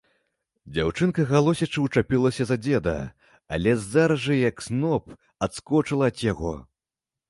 Дзяўчынка, галосячы, учапілася за дзеда, але зараз жа, як сноп, адскочыла ад яго.